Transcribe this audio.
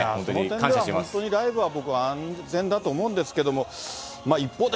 その点では、本当にライブは僕は安全だと思うんですけども、一方で、